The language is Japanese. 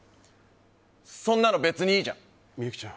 そんなの別にいいじゃん。